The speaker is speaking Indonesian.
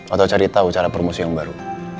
atau cari tahu cara promosi yang baru